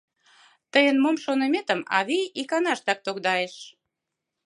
тыйын мом шоныметым авий иканаштак тогдайыш.